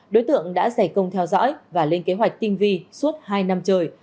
đối tượng đã giải công theo dõi và lên kế hoạch tinh vi suốt hai năm trời